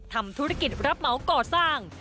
ทำธุรกิจรับเหมาก่อสร้าง